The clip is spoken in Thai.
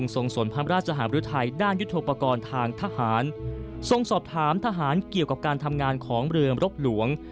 ทำทหารเกี่ยวกับการทำงานของเรืองรกหลวง